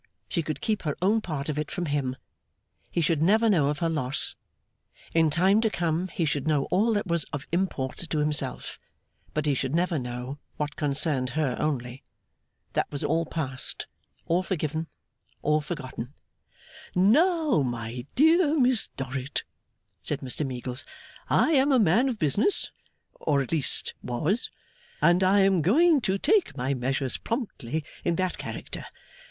She could keep her own part of it from him; he should never know of her loss; in time to come he should know all that was of import to himself; but he should never know what concerned her only. That was all passed, all forgiven, all forgotten. 'Now, my dear Miss Dorrit,' said Mr Meagles; 'I am a man of business or at least was and I am going to take my measures promptly, in that character.